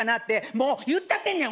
もう言っちゃってんねん